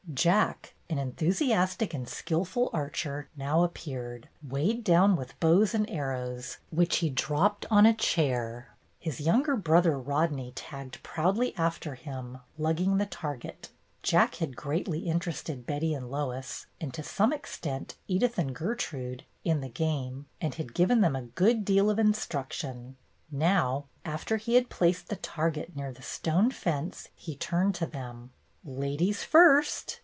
Jack, an enthusiastic and skilful archer, now appeared, weighed down with bows and arrows, which he dropped on a chair. His young brother Rodney tagged proudly after him, lugging the target. Jack had greatly interested Betty and Lois, and to some extent Edith and Gertrude, in the game, and had given them a good deal of instruction. Now, after he had placed the target near the stone fence, he turned to them. "Ladies first!"